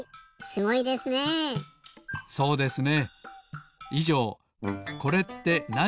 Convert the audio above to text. そうですね。